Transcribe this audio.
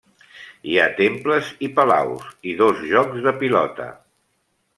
Hi ha temples i palaus, i dos jocs de pilota.